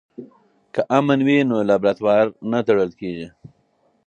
که امن وي نو لابراتوار نه تړل کیږي.